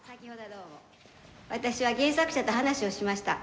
私は原作者と話をしました。